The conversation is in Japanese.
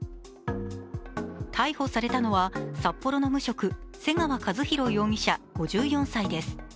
逮捕されたのは札幌の無職瀬川一弘容疑者５４歳です。